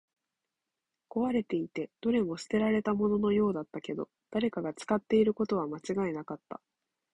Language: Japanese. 壊れていて、どれも捨てられたもののようだったけど、誰かが使っていることは間違いなかった